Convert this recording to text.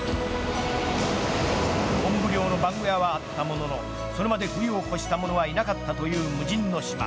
コンブ漁の小屋はあったもののそれまで冬を越した者はいなかったという無人の島。